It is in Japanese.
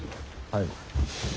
はい。